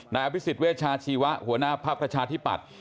นายอภิษฎเวชาชีวะหัวหน้าภักดิ์ประชาธิปัตย